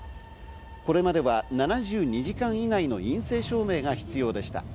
これまでは７２時間以内の陰性証明が必要でした。